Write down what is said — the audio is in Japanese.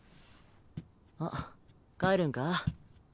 あっ帰るんか？